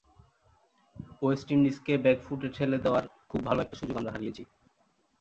West ইন্ডিজকে ব্যাকফুটে ঠেলে দেওয়ার খুব ভালো একটা সুযোগ আমরা হারিয়েছি।